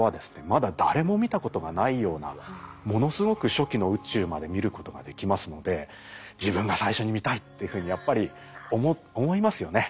まだ誰も見たことがないようなものすごく初期の宇宙まで見ることができますので自分が最初に見たいっていうふうにやっぱり思いますよね。